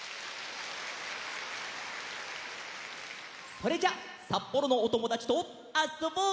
それじゃさっぽろのおともだちとあっそぼう！